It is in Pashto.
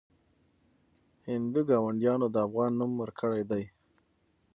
هندو ګاونډیانو د افغان نوم ورکړی دی.